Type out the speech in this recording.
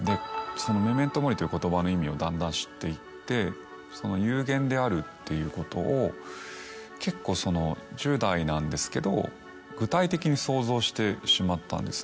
その「メメント・モリ」という言葉の意味をだんだん知っていって有限であるっていうことを結構１０代なんですけど具体的に想像してしまったんですね。